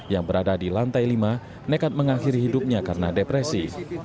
yang berada di lantai lima nekat mengakhiri hidupnya karena depresi